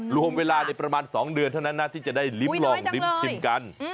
รวมเวลาในประมาณ๒เดือนเท่านั้นนะที่จะได้ลิ้มลองลิ้มชิมกัน